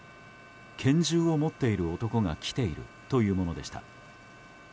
拳銃を持っている男が来ているというものでした。